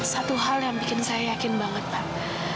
satu hal yang bikin saya yakin banget pak